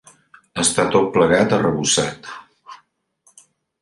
Està tot plegat arrebossat.